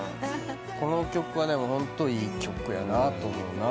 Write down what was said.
この曲はホントいい曲やなと思うな。